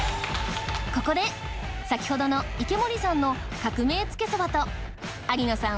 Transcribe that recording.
ここで先程の池森さんの革命つけそばと有野さん